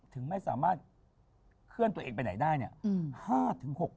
ถึงไม่สามารถเคลื่อนตัวเองไปไหนได้เนี่ย